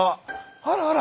あらあら。